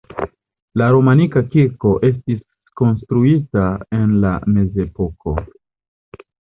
La romanika kirko estis konstruita en la mezepoko.